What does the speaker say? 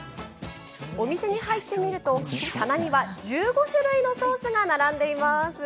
お店に入ってみると棚には１５種類のソースが並んでいます。